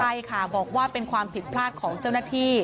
ใช่ค่ะบอกว่าเป็นความผิดพลาดของเจ้าหน้าที่